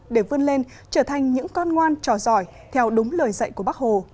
để vươn lên trở thành những con ngoan trò giỏi theo đúng lời dạy của bác hồ